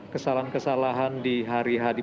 kesalahan kesalahan di hari hari